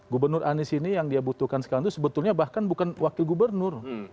gubernur anies ini yang dia butuhkan sekarang itu sebetulnya bahkan bukan wakil gubernur